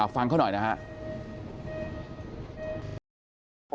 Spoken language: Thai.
ฟังเขาหน่อยนะครับ